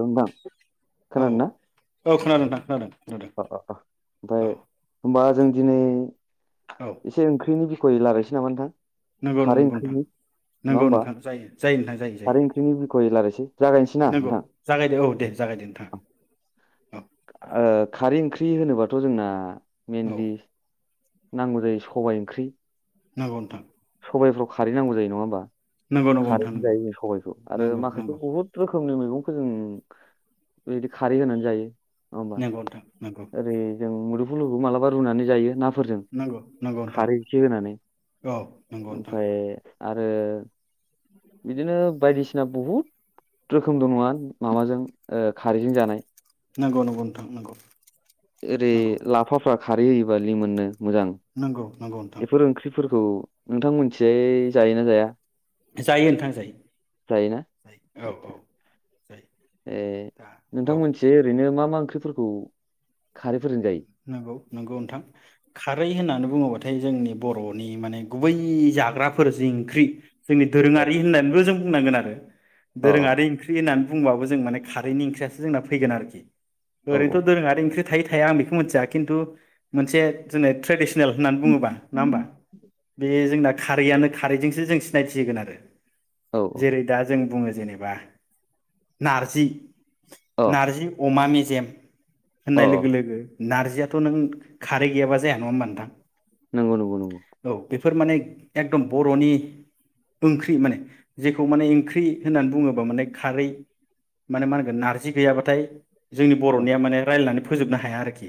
नोंथां औ खोनादों ना? औ खोनादों नोंथां खोनादों। खोनादों अ अ अ औ ओमफाय ओमबा जों दिनै औ एसे ओंख्रिनि लारायसै नामा नोंथां। नोंगौ खारै नोंगौ नोंथां ओंख्रिनि नङा नोंगौ होमबा नोंथां जायो जायो नोंथां जायो जायो खारै ओंख्रिनि बिखय रायलायनोसै जागायनोसै ना नोंगौ नोंथां? जागायदो औ दे जागायदो नोंथां। औ ओ खारै ओंख्रि होनोबाथ' जोंना औ मेनलि नांगौ जायो सबाय ओंख्रि नांगौ नोंथां। सबायफ्राव खारै नांगौ जायो नङा होमबा। नंगौ नंगौ नोंथां खारैजो जायो सबाइखौ आरो नंगौ माखासे नंगौ बहुत रोखोमनि मै खौ जों ओयदि खारै होनानै जायो। नङा होमबा नंगौ नंगौ नोंथां नंगौ ओरै जों मुलुग फोरखौ मालााबा रुनानै जायो नाफोर नंगौ नंगौ नोंथां औ नंगौ नोंथां। ओमफ्राय आरो बिदिनो बायदिसिना बहुद रोखोम दंङो नङा होन माबाजों ओ खारैजों जानाय नंगौ नंगौ नोंथां नगौ। ओरै लाफाफ्रा खारै होयोबा लि मोननो मोजां नंगौ नंगौ नोंथां एफोर ओंख्रिफोरखौ नोंथां मिथियै जायोना जाया? जायो नोंथां जायो जायोना जायो औ औ जायो ए दा नोंथां औ मोनथिं ओरैनो मा मा ओंख्रिफोरखौ खारैफोरजों जायो? नंगौ नंगौ नोंथां खारै होननानै बुङोबा। थाय जोंनि बर'नि माने गुबै जाग्राफोर जि ओंख्रि जोंनि दोरोङारि होननानैबो जों बुंनांगोन आरो अ दोरोङारि ओंख्रि होनना बुंबाबो जों माने खारैनि ओंख्रियासो जोंना फैगोन आरोखि। अ ओरैथ' औ दोरोङारि ओंख्रि थायो थाया आं बिखौ मेन्थिया किन्टु मोनसे जोंनो ट्रेडिस नेल होननानै बङोबा नंङा होनबा बे जोंना। खारैआनो खारैजोंसो जों सिनायथि होगोन आरो। औ जेरै दा जों बुङो जेनेबा नारजि औ अ नारजि अमा मे जेम अ होननाय लोगो लोगो नारजियाथ' नों खारै गैयाबा जाया नङा होमबा नोंथां नंगौ नंगौ नंगौ फोर माने एकदम बर'नि ओंख्रि माने जेखौ माने ओंख्रि होननानै बुङोबा माने खारै माने मा होनगोन नारजि गैयाबाथाय जोंनि बर'निया माने रायलायनानै फोजोबनो हा या आरोखि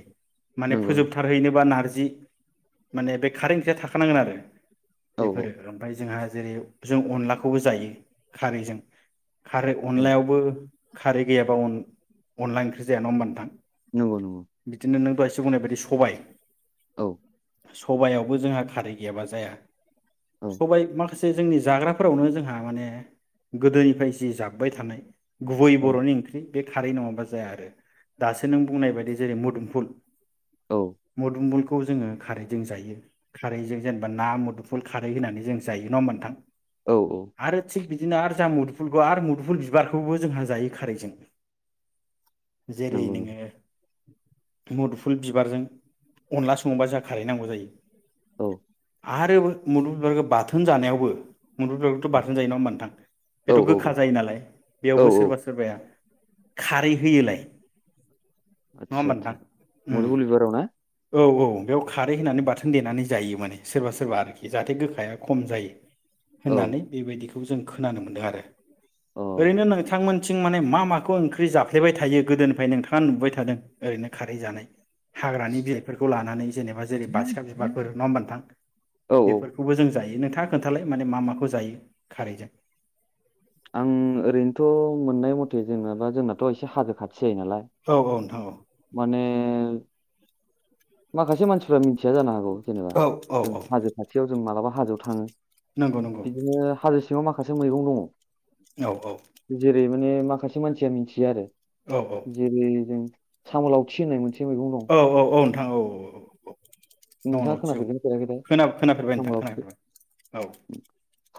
माने नंगौ औ नंगौ फोजोबथारहैनोबा नार जि माने बे खारै ओंख्रिया थाखानांगोन आरो औ औ बेफोरो ओमफ्राय जोंहा जेरै जों अनलाखौबो जायो खारैजों, खारै औ अनलायावबो, खारै गैयाबा अन अनला ओंख्रि जाया नङा होनबा नोथां। नंगौ नंगौ बिदिनो नों दहायसो बुंनाय बायदि सबाय। औ सबायावबो जोंहा खारै गैयाबा जाया औ सबाय मा माखासे जोंनि जाग्राफोरावनो जोंहा माने गोदोनिफ्राय जि जाबोबाय थानाय गुबै औ बर'नि ओंख्रि बे खारै नङाबा जाया आरो दासो नों बुंनाय बायदि जेरै मोदुमफुल औ मोदुमफुल खौ जोङो खारैजों जायो खारैजों जेनेबा ना मुदुफुल खारै होनानै जों जायो नङा होमबा नोंथां औ औ आरो थिग बि बिदिनो आरो जोंहा मुदुफुलखौ आरो मुदुफुल बिबारखौबो जोंहा जायो खारैजों। जेरै नंगौ नंगौ नोङो मुदुफुल बिबारजों अनला सङोबा जों खारहैनांगौ जायो। औ आरो मुुदुमफुल बिबारखौ बाथोन जानायावबो, मुुदुमफुल बिबारखौथ' बाथोन जायो नङा होमबा नोंथां? औ बेथ' गोखा जायो नालाय बेयावबो औ औ सोरबा सोरबाया खारै होयोलाय नङा आदसा होमबा नोंथां आदसा उम मुदुफुल बिबाराव ना औ औ बेयाव खारै होनानै बाथोन देनानै जायो माने सोरबा सोरबा आरोखि जाहाथे गोखाया खम जायो। औ होननानै बेबायदिखौ बेखौ जों खोनानो मोनदों आरो अ ओरैनो नोंथांमोन आथिं माने मा माखौ ओंख्रि जाफ्लेबाय थायो गोदोनिफ्राय नोंथाङा नुबोबाय थादों? ओरैनो खारै जानाय हाग्रानि बिलाइफोरखौ लानानै जेनेबा जेरै बाथिखा बिबारफोर नङा होनबा नोंथां। औ बेफोरखौबो जों जायो न खोन्थालाय माने मा माखौ जायो खारैजों आं ओरैनोथ' मोननाय मथे जेनोबा जोंनाथ' एसे हाजो खाथि जायो नालाय औ औ नोंथां औ माने माखासे मानसिफ्रा मिथिया जानो हागौ। जेनेबा औ औ जों औ हाजो खाथियाव जों मालाबा हाजोआव थाङो नंगौ नंगौ बिदिनो हाजो माखासे मैगं औ औ दङ जेरै माने माखासे सासे मानसिया मिथियो आरो औ जेरै जों सामोलाव थि होननाय मोनसे मैगं दं औ औ औ नोंथां नोंथां औ औ उन नोंथाङा लावथि औ खोनाफेरदों फेराखैथाय खोन खोनाफेरबाय साम' नोंथां लावथि खोनाफेरबाय औ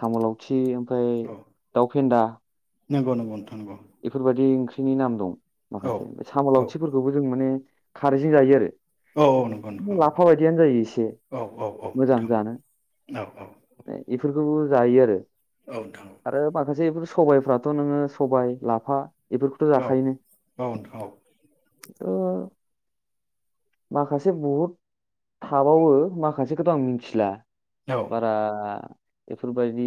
साम लावथि ओमफ्राय औ दाउफेन्दा नंगौ नंगौ नोंथां नंगौ बेफोरबायदि ओंख्रिनि नाम दं। औ माखासे ओमफ्राय साम औ लावथिफोरखौबो जों माने खारैजों जायो औ नंगौ नोंथां आरो लाफा औ बायदियानो जायो एसे औ औ औ नोंथां औ मोजां नोंथां जानो औ औ बेफोरखौबो जायो आरो औ आरो माखासेफोर सबायफ्राथ' नोङो सबाय लाफा बेफोरखौथ' जाखायोनो औ नोंथां औ माखासे बहुद थाबावो माखासेखौथ' आं मिथिला औ बारा बेफोरबायदि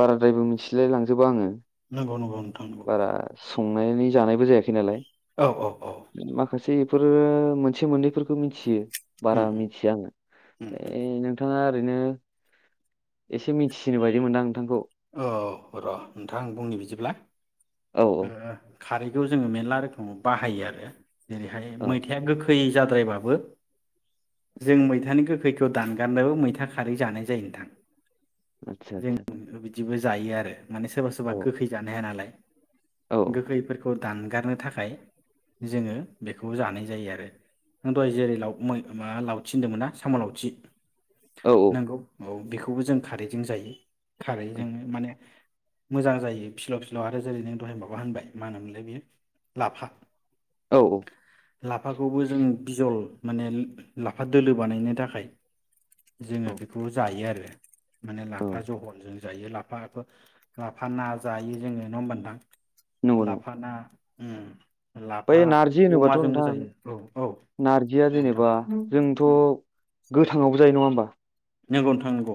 बाराद्रायबो मिथिलाय लांजोबा आङो नंगौ नंगौ नोंथां नंगौ बारा संनानै जानायबो जायाखै नालाय औ औ औ से बेफोरो मोनसे मोननैफोरखौ मिथियो उम बारा मिथिया आङो उम उम बे उम नों नोंथाङा ओरैनो एसे मिथिसिनो बायदि मोनदां नोंथांखौ औ र' नोंथां आ बुंनि बिदिब्ला औ ओ औ खारैखौ जोङो मेरला रोखोमाव बाहायो आरो जेरैहाय औ मैथाया गोखै गोखै जाद्रायबाबो जों मैथानि गोखैखौ दानगारनोबो मैथा खारै जानाय जायो नोंथां। आतसा जों आतसा। बिदिबो जायो आरो। माने सोरबा सोरबा गोखै जानो हाया नालाय। औ गोखैफोरखौ। दानगारनो थाखाय जोङो बेखौ जानाय जायो आरो दहाय जेरै ल माबा लावथि होनदोंमोन ना साम' लावथि औ नंगौ औ बेखौ बेखौबो जों खारै जों जायो। जोंङो माने मोजां जायो फिलाव फिलाव आरो जेरै नों दहाय माबा होनबाय मा होनोमोनलाय बेयो लाफा औ औ। लाफाखौबो जों बिजल माने लाफा दोलो बानायनो थाखाय। औ जोङो बेखौ जायो आरो। माने औ लाफा जहलजों जायो लाफाखौ लाफा ना जायो जोङो नङा होनबा नोंथां। नंगौ नंगौ लाफाना उम। बै लाफा नारजि होनोबाथ' अमाजोंबो नोंथां जायो औ औ नारजिया नोंथां जेनेबा जोंथ'। उम गोथाङावबो जायो नङा होमबा। नंगौ नोथां नंगौ।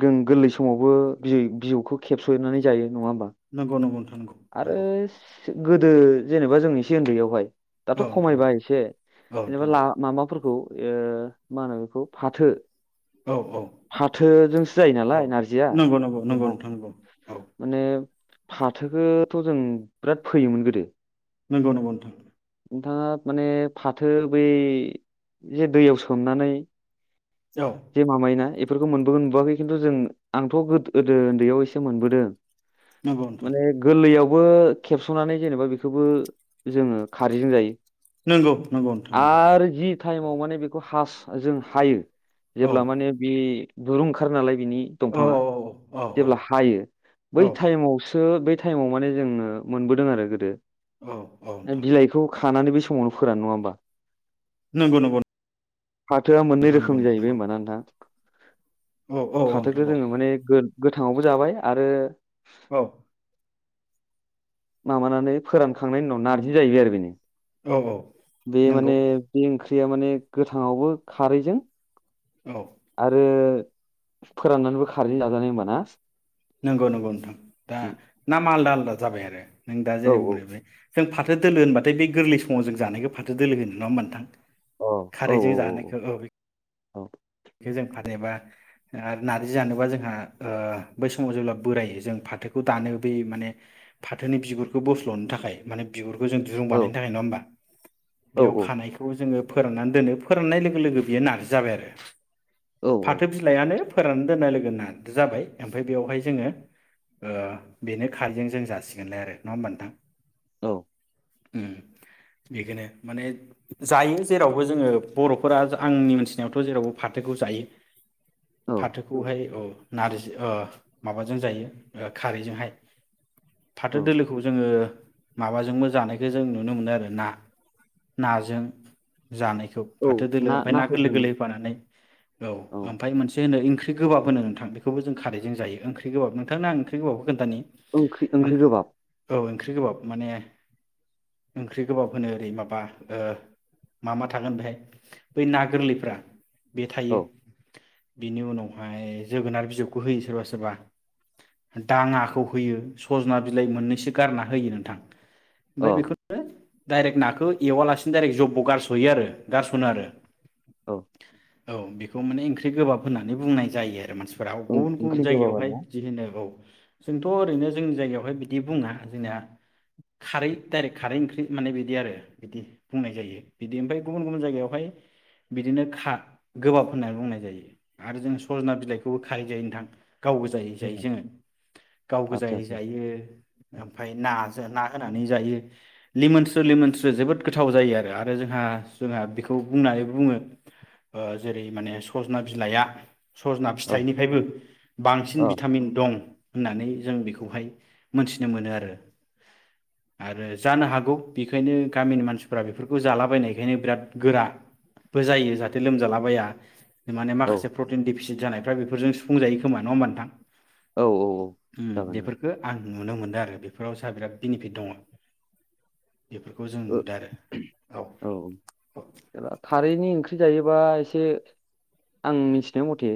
जों गोरलै समावबो बिजौखौ खेबस'नानै जायो। नङा होमबा नंगौ नंगौ नोंथां। नंगौ आरो नंगौ सि गोदो जेनेबा जोंनि एसे उन्दैयावहाय। दाथ' औ नोंथां खमायबाय एसे औ जेनेबा नोंथां ला माबाफोरखौ। ए मा होनो बेखौ फाथो। औ औ फाथोजोंसो जायो नालाय औ नारजिया नंगौ नंगौ नंगौ जोंना नोंथां नंगौ औ माने फाथो बेखौथ' जों बिराद फैयोमोन गोदो नंगौ नंगौ नोंथां। नोंथाङा माने फाथो बै जे दैयाव सोमनानै औ [unintelligible] बेफोरखौ मोनबोगोन मोनबोआखै खिन्थु जों आंथ' गोदो उन्दैयाव एसे मोनबोदों नंगौ नोंथां माने गोरलैयाव बो खेबस'नानै जेनेबा बेखौबो जोङो खारैजों जायो। नंगौ नंगौ नोंथां नंगौ आरो जि टाइमाव माने बेखौ हास जों हायो औ जेब्ला माने बे दुरुंओंखार नालाय बिनि औ दंफाङा औ जेब्ला हायो औ बै थायामसो टाइमाव माने जोंनो मोनबोदों आरो गोदो औ औ नोंथां बिलाइखौ खानानै बे समावनो फोरान नङा होमबा नंगौ नंगौ फाथोआ मोननै नोंथां नंगौ रोखोमनि जायो दे नंगौ होनबा ना नोथां औ औ फाथो नोंथां औ जोङो माने गोद गोथाङावबो जाबाय आरो औ माबानानै फोरानखांनायनि उनाव नारजि जाहैबाय आरो बेनो औ औ बे माने नंगौ ओंख ख्रिया माने गोथांआवबो खारैजों औ आरो फोराननानैबो खारै जाजानाय होनबाना नंगौ नंगौ नोंथां दा नामा आलदा आल दा जाबाय आरो नों दा औ जेरै बुंनायबाय जों फा थो दोलो होनबाथाय बे गोरलै समाव जों जानायखौ फाथो दोलो होनो नङा ओमबा नोंथां अ औ औ औ औ औ बे जों फाथ एबा आरो नार्जि जानोबा जोंहा बै समाव जेब्ला बोरायो जों फाथोखौ दानो बै माने फाथोनि बिगुरखौ बोस्लनो थाखाय माने बिगुर खौ जों दुरुं औ औ बानायनो थाखाय नङा ओमबा औ बेयाव खानायखौ जोङो फोराननानै दोनो फोराननाय लोगो लोगो बियो नार्जि जाबाय आरो औ फाथो बिलायानो फोरानै दोननाय लोगो लोगोनो नार जाबाय ओमफ्राय बेयावहाय जोङो ओ बेनो खारजों जों जासिगोनलाय आरो नङा ओमबा नोंथां औ ओम बेखोनो माने जायो जेरावबो जोङो बरफोरा आंनि मिथिनायावथ जेरावबो फाथोखौ जायो औ फाथोखौहाय औ नारजि ओ माबाजों जायो ओ खारैजोंहाय औ फाथो दोलोखौ जोङो माबाजोंबो जानायखो जों नुनो मोनो आरो ना नाजों जानायखौ औ फाथो दोलो ओमफाय ना गोललै नाफोरजों गोललै होफानानै औ ओमफाय मोनसे होनो ख्रि गोबाब होनो नोंथां बेखौबो जों खारै जायो ओंख्रि गोबाब नोंथांनो आं ओंख्रि गोबाबखौ खोनथानि ओंख्रि ओंख्रि गोबाब ख्रि गोबाब माने ओंख्रि गोबाब होनो ओरै माबा ओ मा मा थागोन बेहाय बै ना गोरलैफ्रा बे थायो औ बिनि उनावहाय जोगोनार बिजौखौ होयो सोरबा सोरबा दाङाखौ होयो सजना बिलाइ मोननैसो गारना होयो नोंथां अ ओमफीय बेखोनो दाइरेक्ट नाखो एवालासिनो दाइरेक्ट जबब गारसयो आरो गारसनो आरो अ औ बेखौ माने ओंख्रि गोबाब होननानै बुंनाय जायो आरो मानसि फोराव गुबुन गुबुन ओंख्रि गोबाब आरो जायगायावहाय ना बिदि होनो औ जोंथ ओरैनो जोंनि जायगायावहाय बिदि बुङा जोंना खारै दाइरेक्ट खारै ओंख्रि माने बिदि आरो बिदि बुंनाय जायो बिदि ओमफाय गुबुन गुबुन जायगायावहाय बिदिनो खा गोबाब होनना बुंनाय जायो आरो जों सजना बिलाइखौबो खारै जायो नोंथां गाव गोजायै जायो जोङो गाव आदसा गोजायै आदसा जायो ओमफाय नाजो ना होनानै जायो लिमोन स्रो लेमोन स्रो जोबोद गोथाव जायो आरो आरो जोंहा जोंहा बेखौ बुंनानै बुङो ओ जेरै माने सजना बिलाइया सजना औ फिथाइनिफायबो बांसिन अ बिथामिन दं होननानै जों बिखौहाय मोनथिनो मोनो आरो आरो जानो हागौ बिखायनो गामिनि मानसिफोरा बेफोरखौ जालाबायनायखायनो बिराद गोराबो जायो जा थे लोमजालाबाया माने औ माखासे प्रटिन फिसिद जानायफ्रा बेजों सुफुं जायो खोमा नङा होमबा नोंथां औ औ ओम जागोन जागोन बेफोरखौ आं नुनो मोनदों आरो बेफोराव सा बिराद बेनिफिट दङ बेफोरखौ जों नुदों आरो औ खारैनि ओंख्रि जायोबा एसे आं मिथिनाय मथे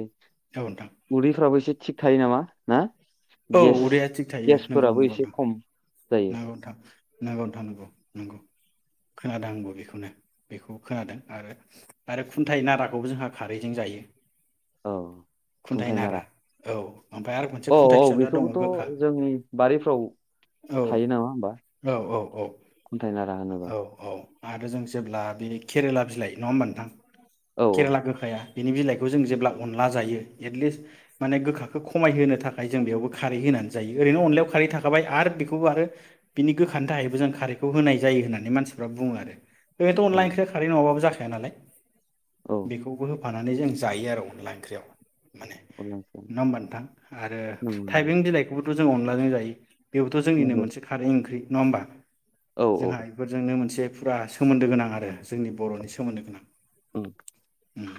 औ नोंथां उदैफ्राबोसे थिग थायो नामा ना औ गेस उदैया गेसफोराबो एसे खम जायो नांगौ नोथां नंगौ नथां नंगौ नंगौ खोनादों आंबो बेखौनो बेखौ खोनादों आरो आरो खुन्थायाइ नाराखौबो जोंहा खारैजों जायो औ खुन्थाइ खुथाय नारा औ ओमफ्राय आरो मोनसे औ खुन्थाइ औ फिसा जा दङ बेखौबोथ गोखा जोंनि बारिफ्राव औ थायो नामा होमबा औ औ औ खुन्थाइनारा होनोबा। औ औ आरो जों जेब्ला बे केरेला बिलाइ नङा होमबा नोंथां? औ केरेला गोखाया बिनि बिलाइखौ जों जेब्ला अनला जायो। एटलिस्ट माने गोखाखौ खमायहोनो थाखाय जों बेयावबो खारै होनानै जायो। ओरैनो अनलायाव खारै थाखाबाय आरो बिख खौ आरो बिनि गोखानि थाखायबो जों खारैखौ होनाय जायो होननानै मानसिफ्रा बुङो आरो। ओरैथ' औ अनला ओंख्रिआव खारै नङाबा जाखा - या नालाय। औ बेखौबो फानानै जों जायो आरो अनला ओंख्रियाव। माने अनला ओंख्रियानो नङा होमबा नोंथां आरो नंगौ नंगौ थाइबें बिलाइखौ - खौ जों अनलायजों जायो बेव थ' जोंनिनो नंगौ मोन खारै ओंख्रि। नङा होमबा? औ जोंहा औ एफोरजोंनो मोनसे फुरा सोमोन्दो गोनां आरो जोंनि बर'नि सोमोन्दो गोनां। उम उम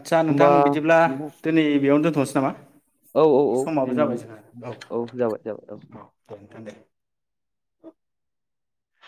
आदसा होमबा नोंथां बिदिब्ला नोंथां दिनै बेयावनो दोन थस नामा? औ औ औ समाबो दिनै जाबाय जोंहा औ जाबाय जाबाय। औ दोनथ' दे। [inaudible]